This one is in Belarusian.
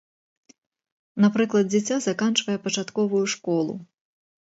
Напрыклад, дзіця заканчвае пачатковую школу.